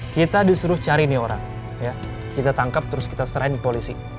kita disuruh cari nih orang kita tangkap terus kita serahin polisi